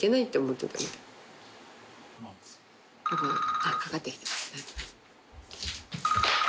あっかかってきた。